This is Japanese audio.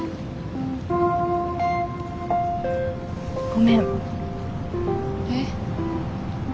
ごめん。え？